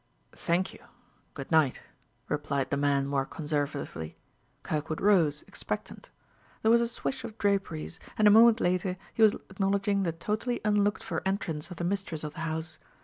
"Thank you. Good night," replied the man more conservatively. Kirkwood rose, expectant. There was a swish of draperies, and a moment later he was acknowledging the totally unlooked for entrance of the mistress of the house.